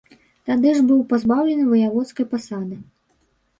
Тады ж быў пазбаўлены ваяводскай пасады.